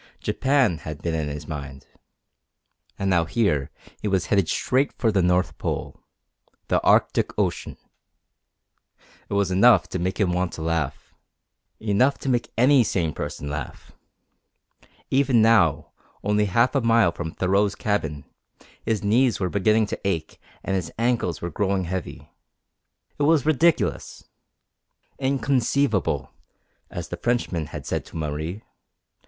Japan had been in his mind. And now here he was headed straight for the north pole the Arctic Ocean. It was enough to make him want to laugh. Enough to make any sane person laugh. Even now, only half a mile from Thoreau's cabin, his knees were beginning to ache and his ankles were growing heavy. It was ridiculous. Inconceivable, as the Frenchman had said to Marie.